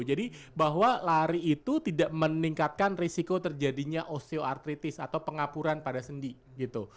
jadi bahwa lari itu tidak meningkatkan risiko terjadinya osteoartritis atau pengapuran pada sendi gitu